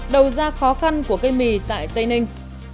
đầu ra khó khăn của cây mì tại tây ninh